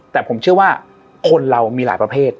แต่ผมเชื่อว่าคนเรามีหลายประเภท